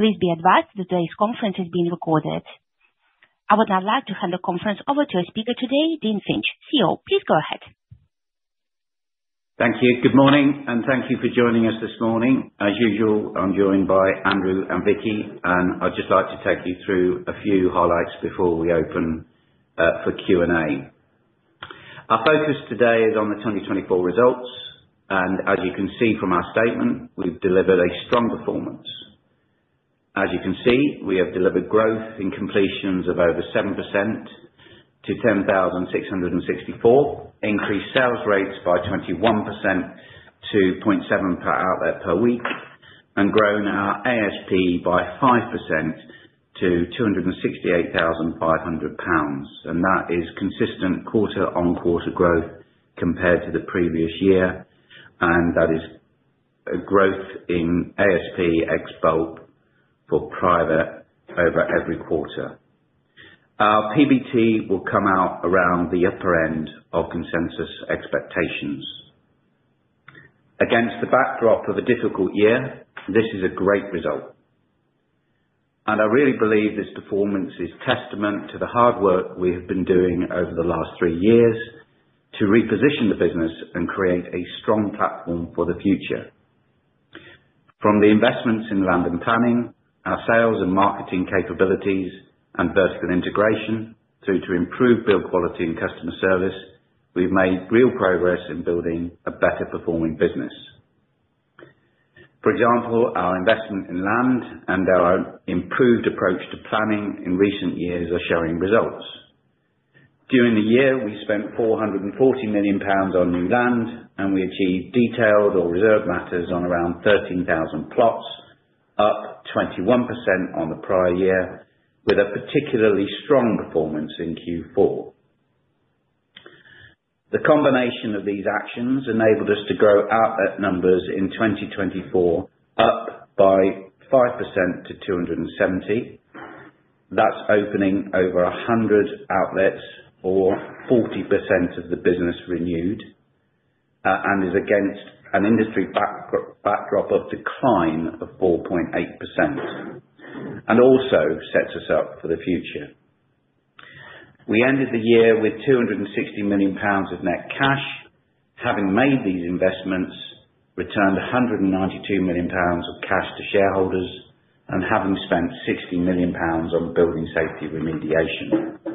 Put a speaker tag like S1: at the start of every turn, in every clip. S1: Please be advised that today's conference is being recorded. I would now like to hand the conference over to our speaker today, Dean Finch. Thilo, please go ahead.
S2: Thank you. Good morning, and thank you for joining us this morning. As usual, I'm joined by Andrew and Vicky, and I'd just like to take you through a few highlights before we open for Q&A. Our focus today is on the 2024 results, and as you can see from our statement, we've delivered a strong performance. As you can see, we have delivered growth in completions of over 7% to 10,664, increased sales rates by 21% to 0.7 per outlet per week, and grown our ASP by 5% to 268,500 pounds, and that is consistent quarter-on-quarter growth compared to the previous year, and that is growth in ASP ex bulk for private over every quarter. Our PBT will come out around the upper end of consensus expectations. Against the backdrop of a difficult year, this is a great result, and I really believe this performance is testament to the hard work we have been doing over the last three years to reposition the business and create a strong platform for the future. From the investments in land and planning, our sales and marketing capabilities, and vertical integration through to improved build quality and customer service, we've made real progress in building a better-performing business. For example, our investment in land and our improved approach to planning in recent years are showing results. During the year, we spent 440 million pounds on new land, and we achieved detailed or reserved matters on around 13,000 plots, up 21% on the prior year, with a particularly strong performance in Q4. The combination of these actions enabled us to grow outlet numbers in 2024 up by 5% to 270. That's opening over 100 outlets, or 40% of the business renewed, and is against an industry backdrop of decline of 4.8%, and also sets us up for the future. We ended the year with 260 million pounds of net cash, having made these investments, returned 192 million pounds of cash to shareholders, and having spent 60 million pounds on building safety remediation.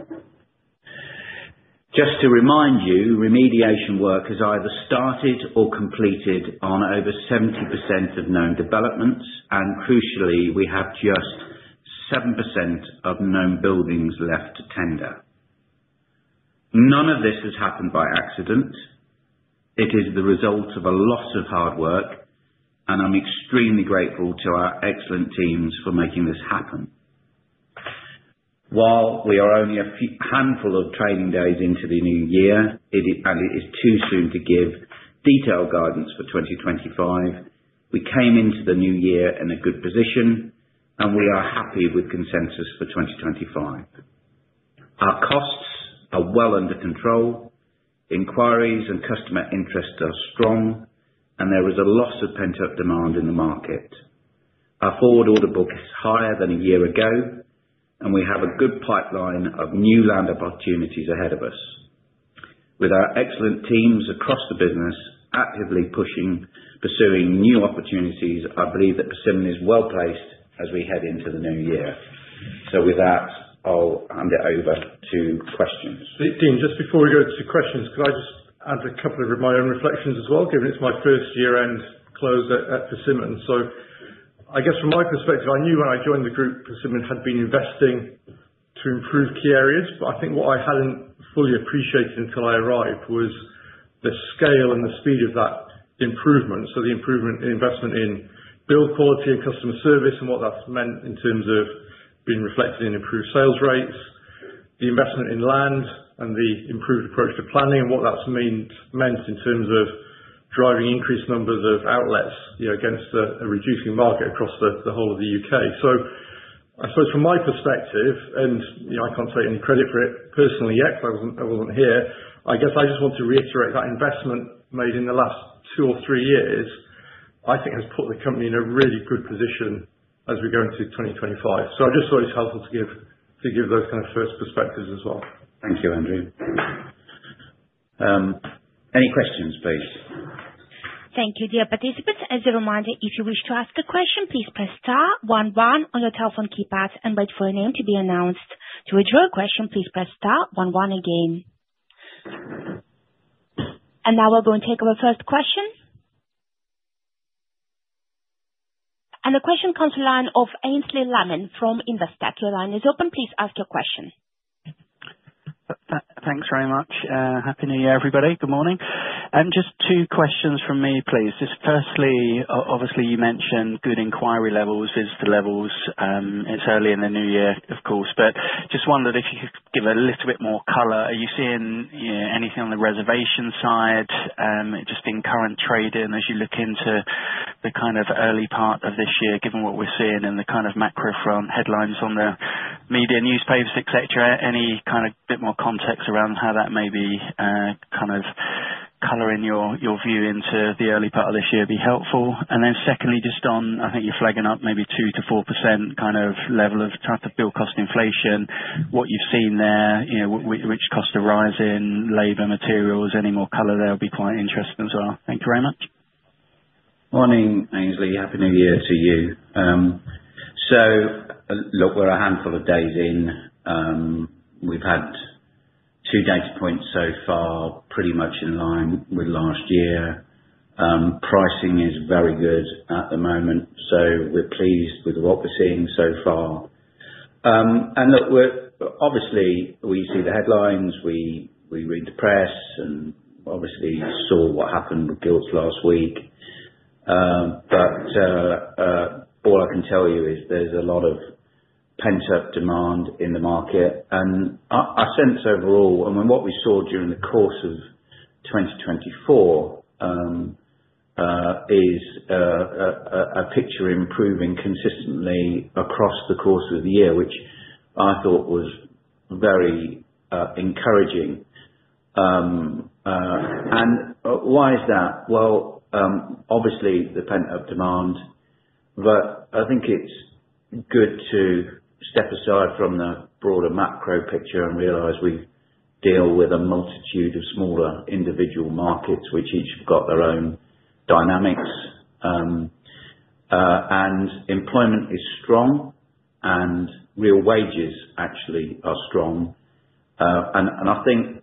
S2: Just to remind you, remediation work has either started or completed on over 70% of known developments, and crucially, we have just 7% of known buildings left to tender. None of this has happened by accident. It is the result of a lot of hard work, and I'm extremely grateful to our excellent teams for making this happen. While we are only a handful of training days into the new year, and it is too soon to give detailed guidance for 2025, we came into the new year in a good position, and we are happy with consensus for 2025. Our costs are well under control, inquiries and customer interest are strong, and there is a lot of pent-up demand in the market. Our forward order book is higher than a year ago, and we have a good pipeline of new land opportunities ahead of us. With our excellent teams across the business actively pursuing new opportunities, I believe that Persimmon is well placed as we head into the new year. So with that, I'll hand it over to questions.
S3: Dean, just before we go to questions, could I just add a couple of my own reflections as well, given it's my first year-end close at Persimmon? So I guess from my perspective, I knew when I joined the group, Persimmon had been investing to improve key areas, but I think what I hadn't fully appreciated until I arrived was the scale and the speed of that improvement. So the improvement in investment in build quality and customer service and what that's meant in terms of being reflected in improved sales rates, the investment in land and the improved approach to planning, and what that's meant in terms of driving increased numbers of outlets against a reducing market across the whole of the U.K. So I suppose from my perspective, and I can't take any credit for it personally yet because I wasn't here, I guess I just want to reiterate that investment made in the last two or three years, I think, has put the company in a really good position as we go into 2025. So I just thought it's helpful to give those kind of first perspectives as well.
S2: Thank you, Andrew. Any questions, please?
S1: Thank you, dear participants. As a reminder, if you wish to ask a question, please press star, 1-1 on your telephone keypad and wait for your name to be announced. To withdraw a question, please press star, 1-1 again. And now we're going to take our first question. And the question comes from the line of Aynsley Lammin from Investec. Your line is open. Please ask your question.
S4: Thanks very much. Happy New Year, everybody. Good morning. Just two questions from me, please. Firstly, obviously, you mentioned good inquiry levels, visitor levels. It's early in the new year, of course, but just wondered if you could give a little bit more color. Are you seeing anything on the reservation side? Just in current trading, as you look into the kind of early part of this year, given what we're seeing and the kind of macro headlines on the media newspapers, etc., any kind of bit more context around how that may be kind of coloring your view into the early part of this year would be helpful. And then secondly, just on, I think you're flagging up maybe 2%-4% kind of level of type of build cost inflation, what you've seen there, which costs are rising, labor materials, any more color there would be quite interesting as well? Thank you very much.
S2: Morning, Aynsley. Happy New Year to you. So look, we're a handful of days in. We've had two data points so far pretty much in line with last year. Pricing is very good at the moment, so we're pleased with what we're seeing so far. And look, obviously, we see the headlines, we read the press, and obviously saw what happened with Gilts last week. But all I can tell you is there's a lot of pent-up demand in the market. And our sense overall, and what we saw during the course of 2024, is a picture improving consistently across the course of the year, which I thought was very encouraging. And why is that? Well, obviously, the pent-up demand, but I think it's good to step aside from the broader macro picture and realize we deal with a multitude of smaller individual markets, which each have got their own dynamics. Employment is strong, and real wages actually are strong. I think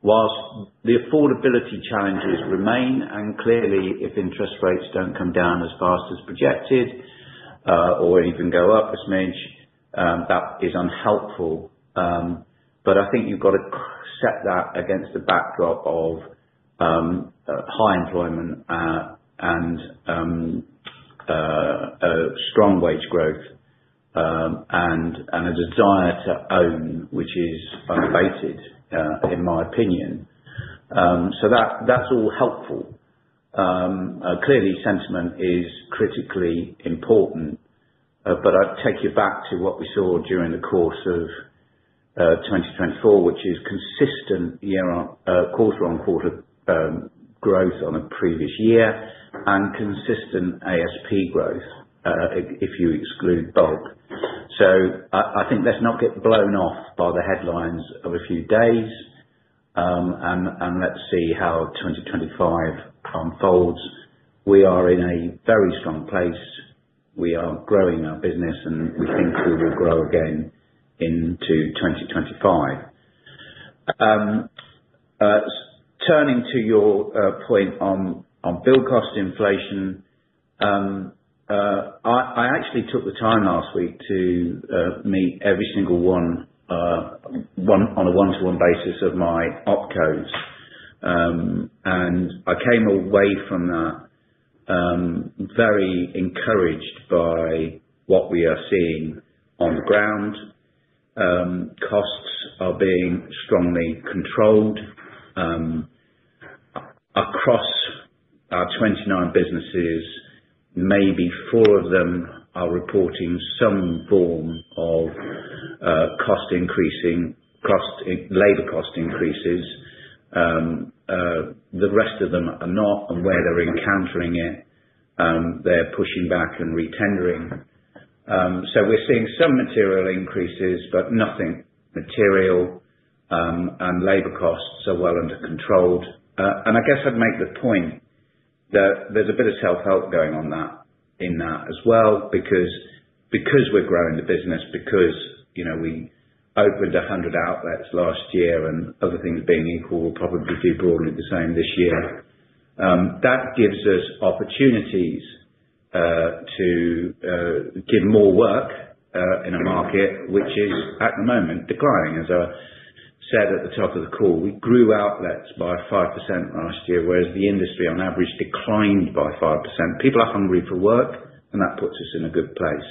S2: while the affordability challenges remain, and clearly, if interest rates don't come down as fast as projected or even go up this much, that is unhelpful. But I think you've got to set that against the backdrop of high employment and strong wage growth and a desire to own, which is unabated, in my opinion. So that's all helpful. Clearly, sentiment is critically important, but I'd take you back to what we saw during the course of 2024, which is consistent quarter-on-quarter growth on a previous year and consistent ASP growth, if you exclude bulk. So I think let's not get blown off by the headlines of a few days, and let's see how 2025 unfolds. We are in a very strong place. We are growing our business, and we think we will grow again into 2025. Turning to your point on build cost inflation, I actually took the time last week to meet every single one on a one-to-one basis of my OpCos. And I came away from that very encouraged by what we are seeing on the ground. Costs are being strongly controlled. Across our 29 businesses, maybe four of them are reporting some form of cost increasing, labor cost increases. The rest of them are not, and where they're encountering it, they're pushing back and re-tendering. So we're seeing some material increases, but nothing material, and labor costs are well under controlled. I guess I'd make the point that there's a bit of self-help going on in that as well, because we're growing the business, because we opened 100 outlets last year, and other things being equal, we'll probably do broadly the same this year. That gives us opportunities to give more work in a market, which is at the moment declining. As I said at the top of the call, we grew outlets by 5% last year, whereas the industry on average declined by 5%. People are hungry for work, and that puts us in a good place.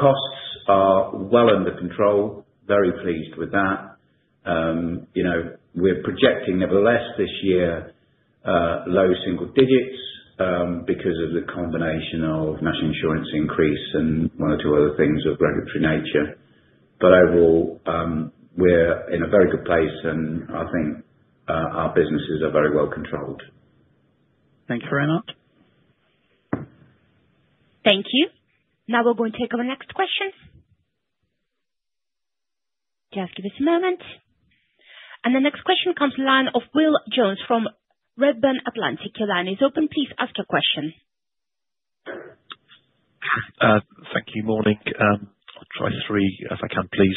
S2: Costs are well under control. Very pleased with that. We're projecting, nevertheless, this year, low single digits because of the combination of national insurance increase and one or two other things of regulatory nature. Overall, we're in a very good place, and I think our businesses are very well controlled.
S4: Thank you very much.
S1: Thank you. Now we're going to take our next question. Just give us a moment, and the next question comes from the line of Will Jones from Redburn Atlantic. Your line is open. Please ask your question.
S5: Thank you. Morning. I'll try three if I can, please.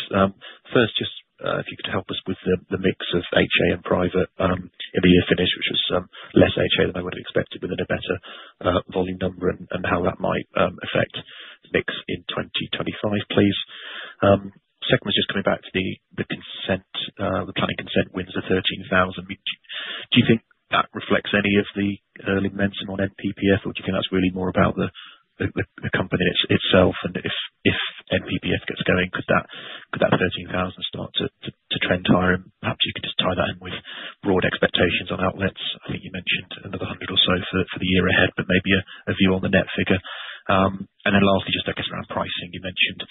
S5: First, just if you could help us with the mix of HA and private in the year finished, which was less HA than I would have expected within a better volume number and how that might affect mix in 2025, please. Second was just coming back to the planning consent wins of 13,000. Do you think that reflects any of the early momentum on NPPF, or do you think that's really more about the company itself? And if NPPF gets going, could that 13,000 start to trend higher? And perhaps you could just tie that in with broad expectations on outlets. I think you mentioned another 100 or so for the year ahead, but maybe a view on the net figure. And then lastly, just I guess around pricing, you mentioned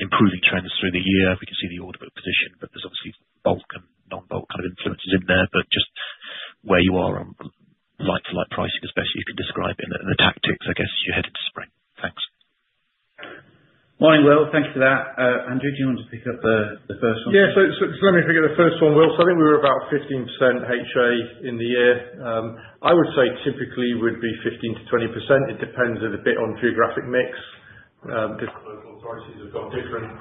S5: improving trends through the year. We can see the order book position, but there's obviously bulk and non-bulk kind of influences in there. But just where you are on light-to-light pricing, as best you can describe it, and the tactics, I guess, as you head into spring? Thanks.
S2: Morning, Will. Thanks for that. Andrew, do you want to pick up the first one?
S3: Yeah. So let me pick up the first one, Will. So I think we were about 15% HA in the year. I would say typically would be 15%-20%. It depends a bit on geographic mix. Different local authorities have got different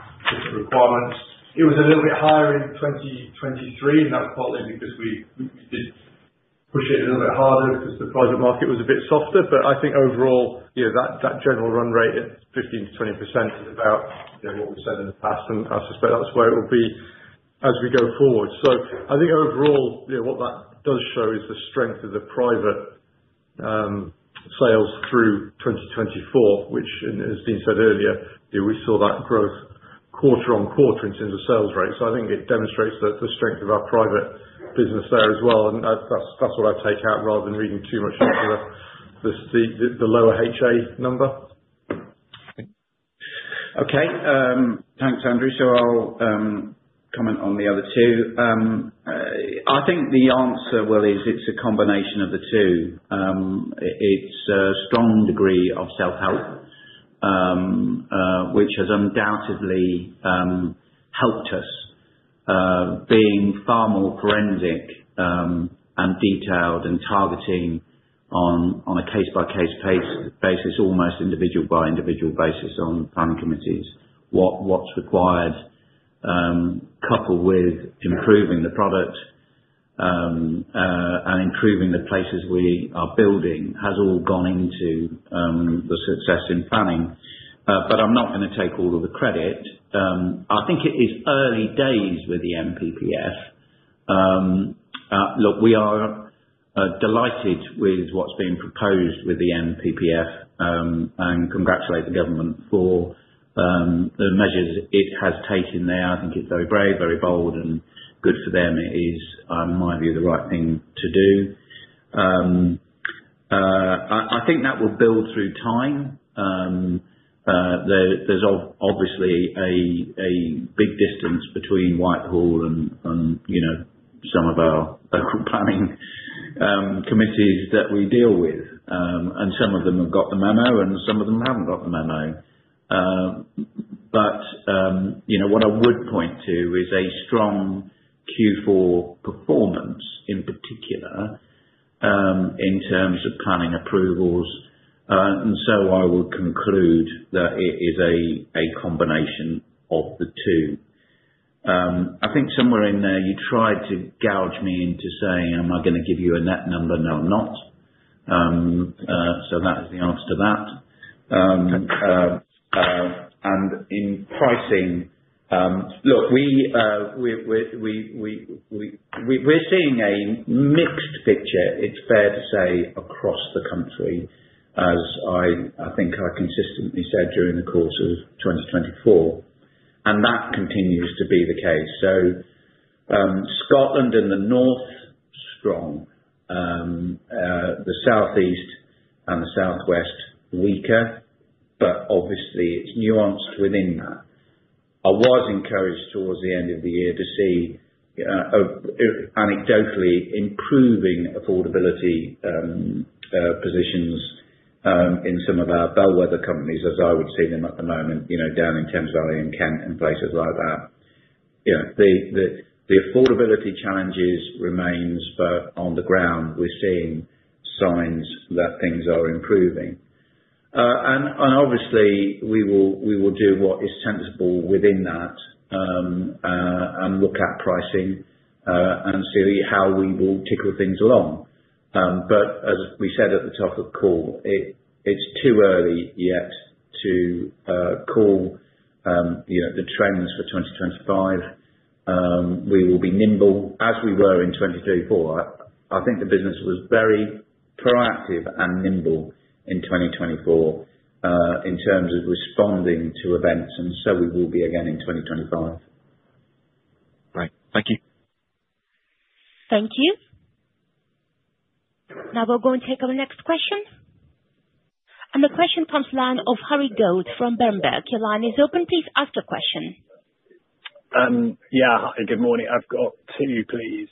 S3: requirements. It was a little bit higher in 2023, and that's partly because we did push it a little bit harder because the private market was a bit softer. But I think overall, that general run rate at 15%-20% is about what we said in the past, and I suspect that's where it will be as we go forward. So I think overall, what that does show is the strength of the private sales through 2024, which, as Dean said earlier, we saw that growth quarter on quarter in terms of sales rate. I think it demonstrates the strength of our private business there as well. That's what I take out rather than reading too much into the lower HA number.
S2: Okay. Thanks, Andrew. So I'll comment on the other two. I think the answer, Will, is it's a combination of the two. It's a strong degree of self-help, which has undoubtedly helped us, being far more forensic and detailed and targeting on a case-by-case basis, almost individual-by-individual basis on planning committees, what's required, coupled with improving the product and improving the places we are building, has all gone into the success in planning. But I'm not going to take all of the credit. I think it is early days with the NPPF. Look, we are delighted with what's being proposed with the NPPF, and congratulate the government for the measures it has taken there. I think it's very brave, very bold, and good for them. It is, in my view, the right thing to do. I think that will build through time. There's obviously a big distance between Whitehall and some of our local planning committees that we deal with. And some of them have got the memo, and some of them haven't got the memo. But what I would point to is a strong Q4 performance, in particular, in terms of planning approvals. And so I would conclude that it is a combination of the two. I think somewhere in there, you tried to goad me into saying, "Am I going to give you a net number?" No, I'm not. So that is the answer to that. And in pricing, look, we're seeing a mixed picture, it's fair to say, across the country, as I think I consistently said during the course of 2024. And that continues to be the case. So Scotland in the North, strong. The South East and the South West, weaker. But obviously, it's nuanced within that. I was encouraged towards the end of the year to see, anecdotally, improving affordability positions in some of our bellwether companies, as I would see them at the moment, down in Thames Valley and Kent and places like that. The affordability challenges remain, but on the ground, we're seeing signs that things are improving, and obviously we will do what is sensible within that and look at pricing and see how we will tickle things along, but as we said at the top of the call, it's too early yet to call the trends for 2025. We will be nimble as we were in 2024. I think the business was very proactive and nimble in 2024 in terms of responding to events, and so we will be again in 2025.
S5: Great. Thank you.
S1: Thank you. Now we're going to take our next question. And the question comes from the line of Harry Goad from Berenberg. Your line is open. Please ask your question.
S6: Yeah. Hi, good morning. I've got two, please.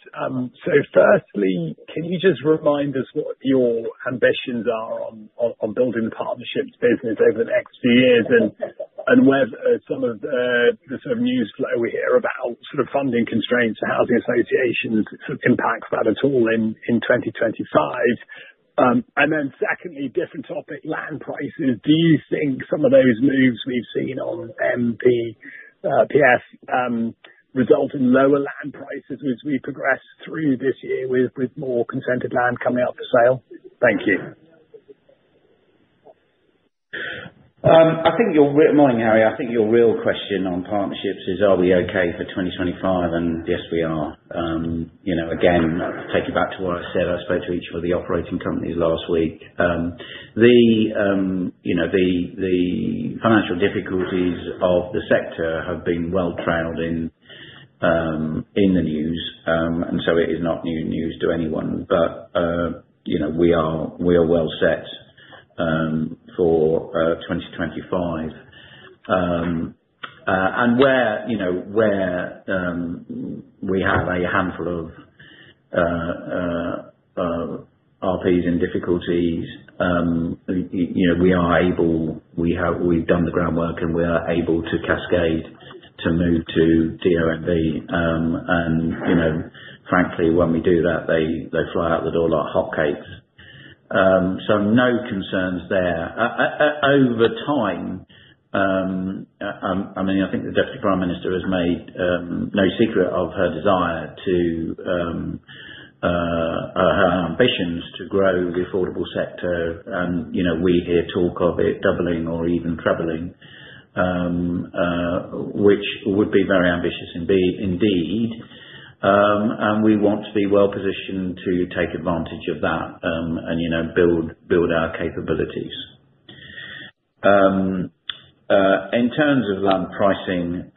S6: So firstly, can you just remind us what your ambitions are on building the partnerships business over the next few years and whether some of the sort of news flow we hear about sort of funding constraints for housing associations impacts that at all in 2025? And then secondly, different topic, land prices. Do you think some of those moves we've seen on NPPF result in lower land prices as we progress through this year with more consented land coming up for sale? Thank you.
S2: I think you're right. Morning, Harry. I think your real question on partnerships is, are we okay for 2025? And yes, we are. Again, take you back to what I said. I spoke to each of the operating companies last week. The financial difficulties of the sector have been well-trailed in the news, and so it is not new news to anyone. But we are well set for 2025. And where we have a handful of RPs in difficulties, we are able. We've done the groundwork, and we are able to cascade to move to DOM. And frankly, when we do that, they fly out the door like hotcakes. So no concerns there. Over time, I mean, I think the Deputy Prime Minister has made no secret of her desire, her ambitions to grow the affordable sector. We hear talk of it doubling or even trebling, which would be very ambitious indeed. We want to be well-positioned to take advantage of that and build our capabilities. In terms of land pricing,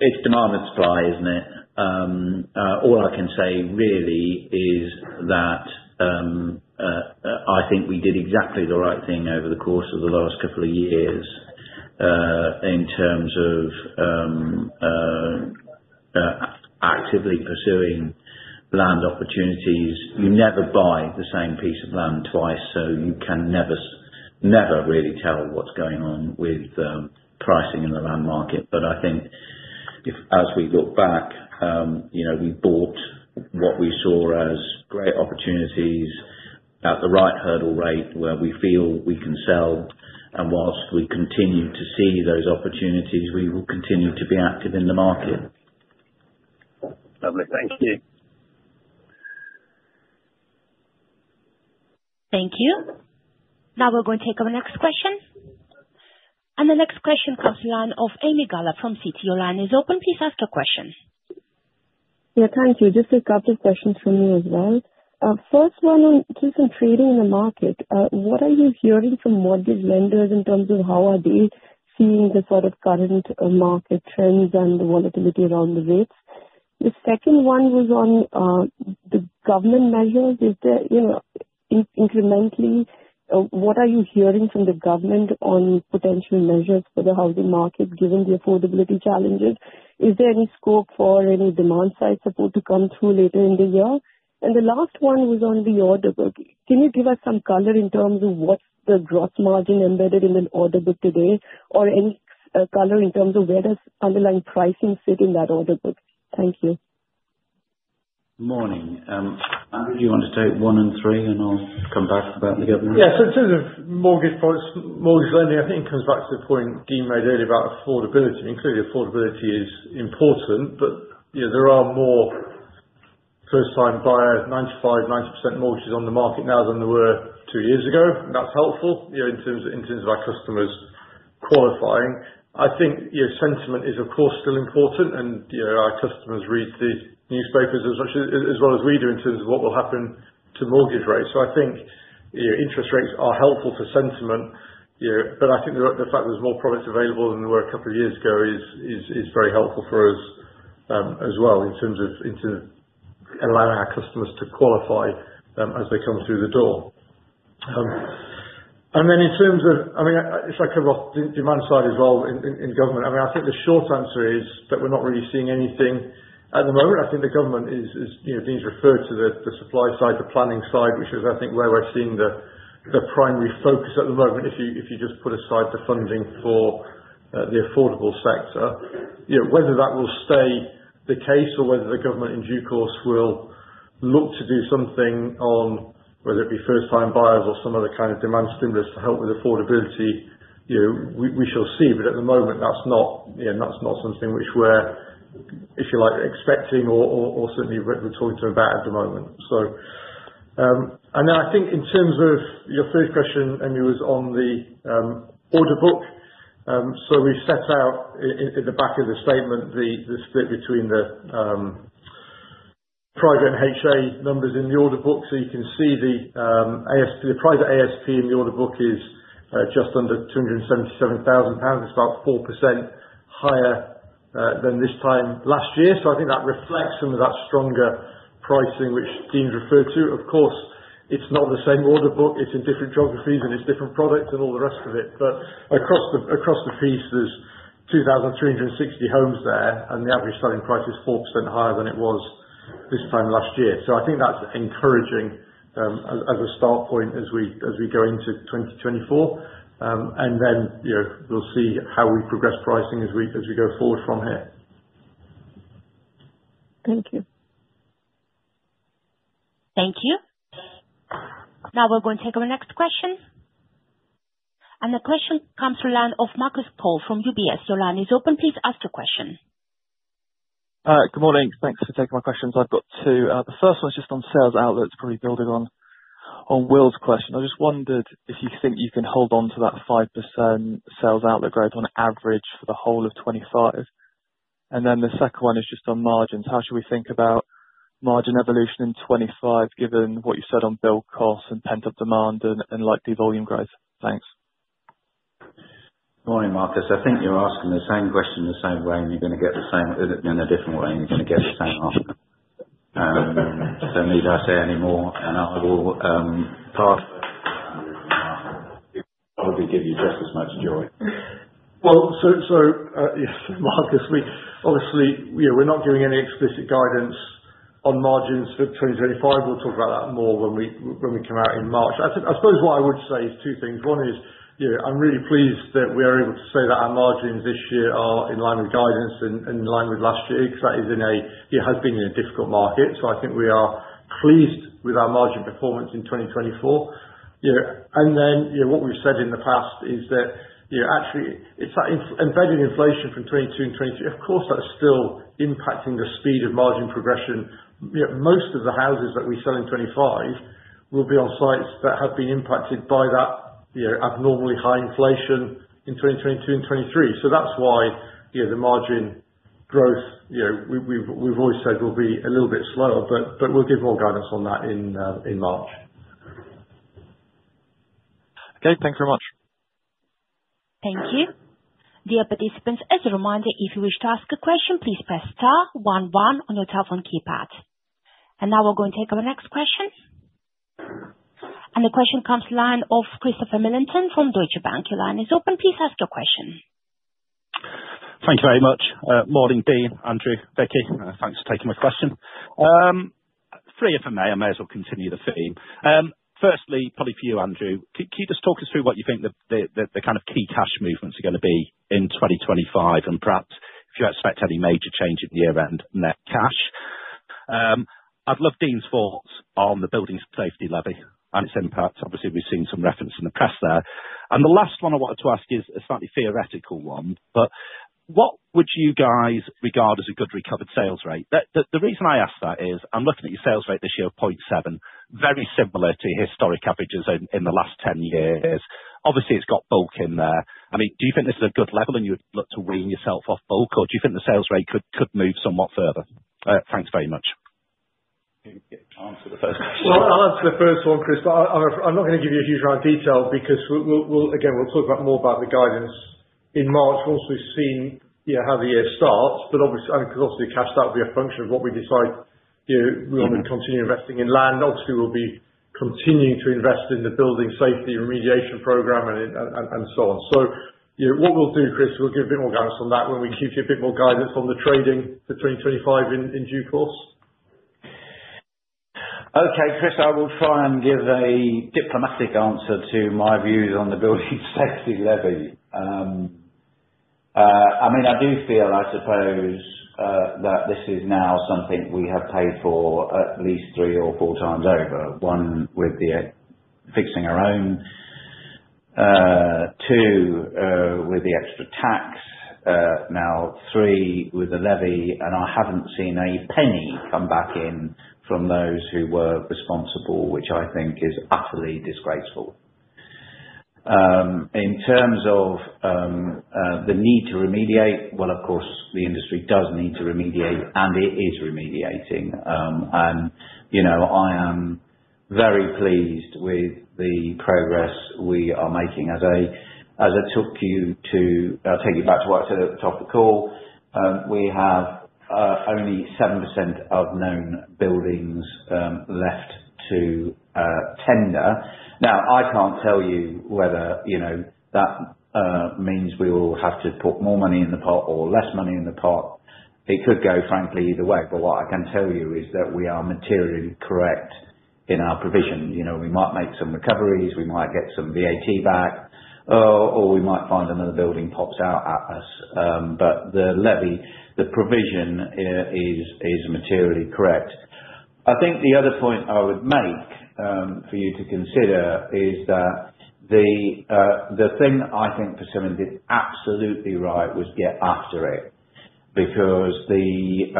S2: it's demand and supply, isn't it? All I can say really is that I think we did exactly the right thing over the course of the last couple of years in terms of actively pursuing land opportunities. You never buy the same piece of land twice, so you can never really tell what's going on with pricing in the land market. I think as we look back, we bought what we saw as great opportunities at the right hurdle rate where we feel we can sell. Whilst we continue to see those opportunities, we will continue to be active in the market.
S6: Lovely. Thank you.
S1: Thank you. Now we're going to take our next question. And the next question comes from the line of Ami Galla from Citi. Line is open. Please ask your question.
S7: Yeah. Thank you. Just a couple of questions for me as well. First one on keeping trading in the market. What are you hearing from mortgage lenders in terms of how are they seeing the sort of current market trends and the volatility around the rates? The second one was on the government measures. Is there incrementally what are you hearing from the government on potential measures for the housing market given the affordability challenges? Is there any scope for any demand-side support to come through later in the year? And the last one was on the order book. Can you give us some color in terms of what's the gross margin embedded in an order book today? Or any color in terms of where does underlying pricing sit in that order book? Thank you.
S2: Morning. Andrew, do you want to take one and three, and I'll come back to the government?
S3: Yeah, so in terms of mortgage lending, I think it comes back to the point Dean made earlier about affordability. Including affordability is important, but there are more first-time buyers, 95%-90% mortgages on the market now than there were two years ago, and that's helpful in terms of our customers qualifying. I think sentiment is, of course, still important, and our customers read the newspapers as much as well as we do in terms of what will happen to mortgage rates, so I think interest rates are helpful for sentiment, but I think the fact there's more products available than there were a couple of years ago is very helpful for us as well in terms of allowing our customers to qualify as they come through the door. And then in terms of, I mean, if I cover off demand side as well in government, I mean, I think the short answer is that we're not really seeing anything at the moment. I think the government is, Dean's referred to the supply side, the planning side, which is, I think, where we're seeing the primary focus at the moment if you just put aside the funding for the affordable sector. Whether that will stay the case or whether the government in due course will look to do something on whether it be first-time buyers or some other kind of demand stimulus to help with affordability, we shall see. But at the moment, that's not something which we're, if you like, expecting or certainly we're talking to them about at the moment. So. And then I think in terms of your first question, Ami, was on the order book. So we set out in the back of the statement the split between the private and HA numbers in the order book. So you can see the private ASP in the order book is just under £277,000. It's about 4% higher than this time last year. So I think that reflects some of that stronger pricing which Dean's referred to. Of course, it's not the same order book. It's in different geographies, and it's different products and all the rest of it. But across the piece, there's 2,360 homes there, and the average selling price is 4% higher than it was this time last year. So I think that's encouraging as a start point as we go into 2024. And then we'll see how we progress pricing as we go forward from here.
S7: Thank you.
S1: Thank you. Now we're going to take our next question. And the question comes from the line of Marcus Cole from UBS. Your line is open. Please ask your question.
S8: Good morning. Thanks for taking my questions. I've got two. The first one's just on sales outlook. It's probably building on Will's question. I just wondered if you think you can hold on to that 5% sales outlook growth on average for the whole of 2025. And then the second one is just on margins. How should we think about margin evolution in 2025 given what you said on build costs and pent-up demand and likely volume growth? Thanks.
S2: Morning, Marcus. I think you're asking the same question the same way, and you're going to get the same in a different way, and you're going to get the same answer. So need I say any more? And I will pass. It will probably give you just as much joy.
S3: So Marcus, obviously, we're not giving any explicit guidance on margins for 2025. We'll talk about that more when we come out in March. I suppose what I would say is two things. One is I'm really pleased that we are able to say that our margins this year are in line with guidance and in line with last year because it has been in a difficult market. So I think we are pleased with our margin performance in 2024. And then what we've said in the past is that actually, it's that embedded inflation from 2022 and 2023. Of course, that's still impacting the speed of margin progression. Most of the houses that we sell in 2025 will be on sites that have been impacted by that abnormally high inflation in 2022 and 2023. So that's why the margin growth we've always said will be a little bit slower, but we'll give more guidance on that in March.
S8: Okay. Thanks very much.
S1: Thank you. Dear participants, as a reminder, if you wish to ask a question, please press star, 1, 1 on your telephone keypad. And now we're going to take our next question. And the question comes from the line of Christopher Millington from Deutsche Bank. Your line is open. Please ask your question.
S9: Thank you very much. Morning, Dean, Andrew, Becky. Thanks for taking my question. Three, if I may. I may as well continue the theme. Firstly, probably for you, Andrew, can you just talk us through what you think the kind of key cash movements are going to be in 2025? And perhaps if you expect any major change at the year-end. Cash. I'd love Dean's thoughts on the building safety levy and its impact. Obviously, we've seen some reference in the press there. And the last one I wanted to ask is a slightly theoretical one. But what would you guys regard as a good recovered sales rate? The reason I ask that is I'm looking at your sales rate this year of 0.7, very similar to historic averages in the last 10 years. Obviously, it's got bulk in there. I mean, do you think this is a good level and you would look to wean yourself off bulk, or do you think the sales rate could move somewhat further? Thanks very much.
S2: Can you answer the first question?
S3: I'll answer the first one, Chris. But I'm not going to give you a huge amount of detail because, again, we'll talk more about the guidance in March, once we've seen how the year starts. But obviously, I mean, cash, that will be a function of what we decide we want to continue investing in land. Obviously, we'll be continuing to invest in the building safety remediation program and so on. So what we'll do, Chris, we'll give a bit more guidance on that when we give you a bit more guidance on the trading for 2025 in due course.
S2: Okay, Chris, I will try and give a diplomatic answer to my views on the building safety levy. I mean, I do feel, I suppose, that this is now something we have paid for at least three or four times over. One, with fixing our own. Two, with the extra tax. Now, three, with the levy. And I haven't seen a penny come back in from those who were responsible, which I think is utterly disgraceful. In terms of the need to remediate, well, of course, the industry does need to remediate, and it is remediating. And I am very pleased with the progress we are making. As I took you to, I'll take you back to what I said at the top of the call. We have only 7% of known buildings left to tender. Now, I can't tell you whether that means we will have to put more money in the pot or less money in the pot. It could go, frankly, either way. But what I can tell you is that we are materially correct in our provision. We might make some recoveries. We might get some VAT back, or we might find another building pops out at us. But the levy, the provision is materially correct. I think the other point I would make for you to consider is that the thing that I think we did absolutely right was get after it. Because the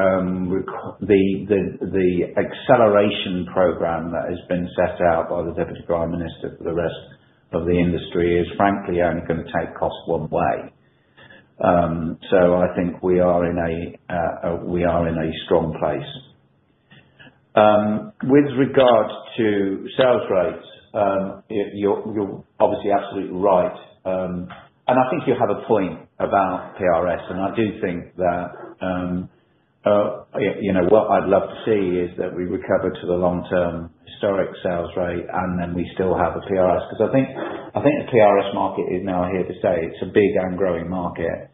S2: acceleration program that has been set out by the Deputy Prime Minister for the rest of the industry is, frankly, only going to take costs one way. So I think we are in a strong place. With regard to sales rates, you're obviously absolutely right, and I think you have a point about PRS. And I do think that what I'd love to see is that we recover to the long-term historic sales rate, and then we still have a PRS. Because I think the PRS market is now here to stay. It's a big and growing market.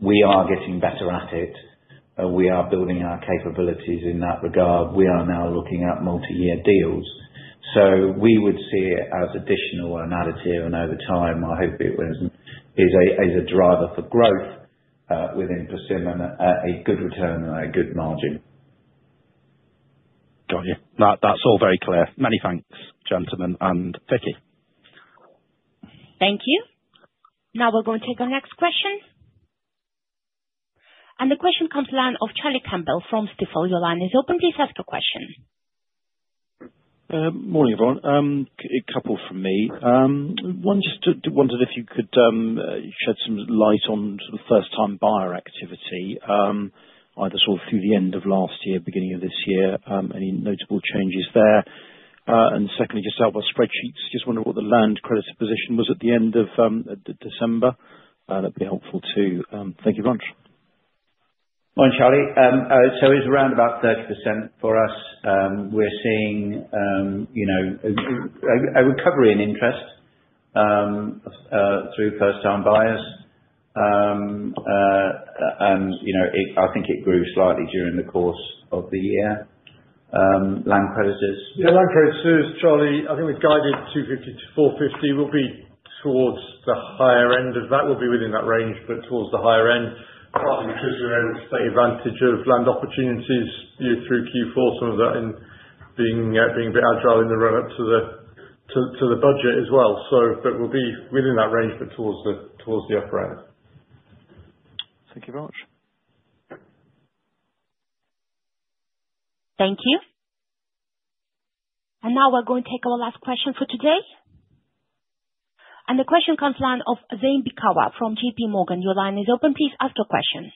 S2: We are getting better at it. We are building our capabilities in that regard. We are now looking at multi-year deals, so we would see it as additional and additive, and over time, I hope it is a driver for growth within Persimmon and a good return and a good margin.
S9: Got you. That's all very clear. Many thanks, gentlemen and Becky.
S1: Thank you. Now we're going to take our next question. And the question comes from the line of Charlie Campbell from Stifel. Your line is open. Please ask your question.
S10: Morning, everyone. A couple from me. One, just wondered if you could shed some light on sort of first-time buyer activity, either sort of through the end of last year, beginning of this year, any notable changes there? And secondly, just our spreadsheets. Just wondered what the land creditor position was at the end of December? That'd be helpful too. Thank you very much.
S2: Morning, Charlie. So it's around about 30% for us. We're seeing a recovery in interest through first-time buyers. And I think it grew slightly during the course of the year. Land creditors.
S3: Yeah, Land Creditors, Charlie. I think we've guided 250 to 450. We'll be towards the higher end of that. We'll be within that range, but towards the higher end, partly because we're able to take advantage of land opportunities through Q4, some of that in being a bit agile in the run-up to the budget as well. But we'll be within that range, but towards the upper end.
S10: Thank you very much.
S1: Thank you. And now we're going to take our last question for today. And the question comes from the line of Zane Bikawa from J.P. Morgan. Your line is open. Please ask your question.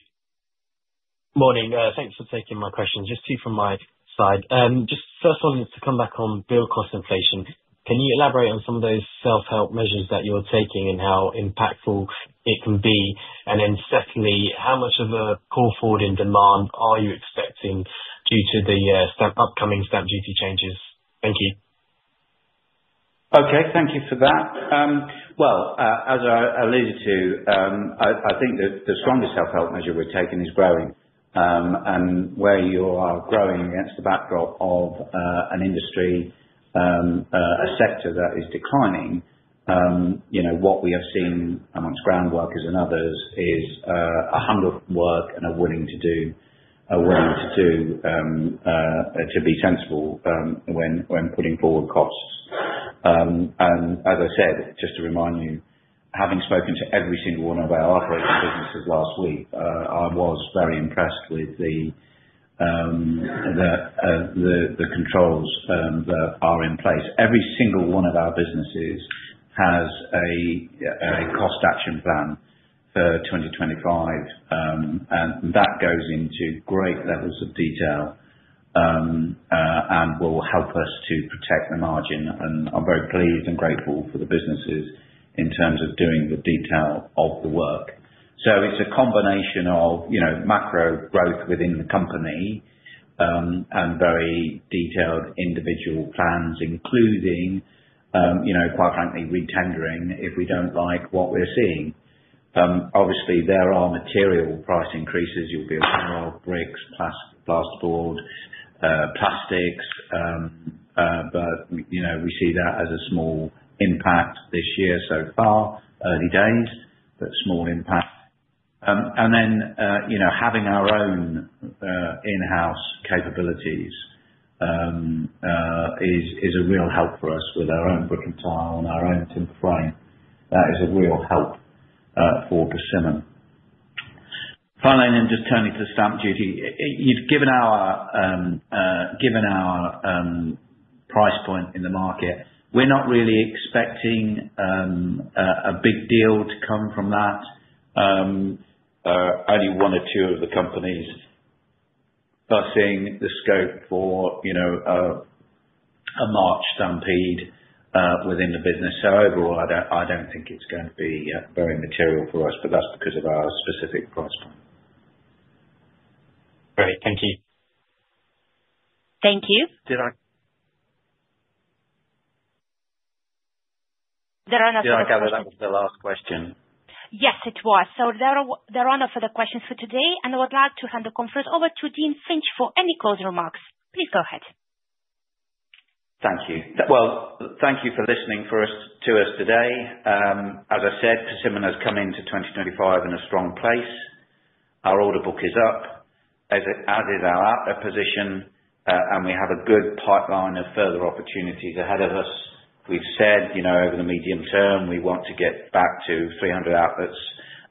S11: Morning. Thanks for taking my questions. Just two from my side. Just first one is to come back on build cost inflation. Can you elaborate on some of those self-help measures that you're taking and how impactful it can be? And then secondly, how much of a call forward in demand are you expecting due to the upcoming stamp duty changes? Thank you.
S2: Okay. Thank you for that. Well, as I alluded to, I think the strongest self-help measure we're taking is growing. And where you are growing against the backdrop of an industry, a sector that is declining, what we have seen among groundworkers and others is a hunger for work and a willingness to do to be sensible when putting forward costs. And as I said, just to remind you, having spoken to every single one of our operating businesses last week, I was very impressed with the controls that are in place. Every single one of our businesses has a cost action plan for 2025. And that goes into great levels of detail and will help us to protect the margin. And I'm very pleased and grateful for the businesses in terms of doing the detail of the work. It's a combination of macro growth within the company and very detailed individual plans, including, quite frankly, re-tendering if we don't like what we're seeing. Obviously, there are material price increases. You'll be able to have bricks, plasterboard, plastics. But we see that as a small impact this year so far, early days, but small impact. And then having our own in-house capabilities is a real help for us with our own brick and tile and our own timber frame. That is a real help for Persimmon. Finally, then just turning to the Stamp Duty. You've given our price point in the market. We're not really expecting a big deal to come from that. Only one or two of the companies are seeing the scope for a March stampede within the business. So overall, I don't think it's going to be very material for us, but that's because of our specific price point.
S11: Great. Thank you.
S1: Thank you.
S8: Did I?
S1: There are no further questions.
S2: Yeah, I gather that was the last question.
S1: Yes, it was. So there are no further questions for today. And I would like to hand the conference over to Dean Finch for any closing remarks. Please go ahead.
S2: Thank you. Thank you for listening to us today. As I said, Persimmon has come into 2025 in a strong place. Our order book is up, as is our outlet position, and we have a good pipeline of further opportunities ahead of us. We've said over the medium term we want to get back to 300 outlets,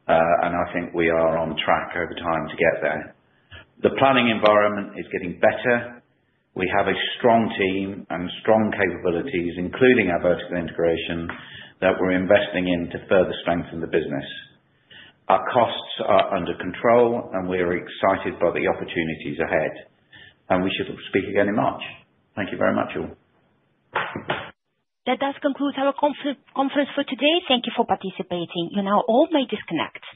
S2: and I think we are on track over time to get there. The planning environment is getting better. We have a strong team and strong capabilities, including our vertical integration, that we're investing in to further strengthen the business. Our costs are under control, and we are excited by the opportunities ahead. We should speak again in March. Thank you very much, all.
S1: That does conclude our conference for today. Thank you for participating. You may now all disconnect.